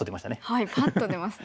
はいパッと出ますね。